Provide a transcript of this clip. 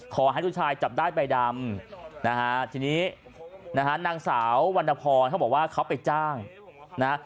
ขอให้ลูกชายจับได้ใบดำนะฮะทีนี้นะฮะนางสาววรรณพรเขาบอกว่าเขาไปจ้างนะ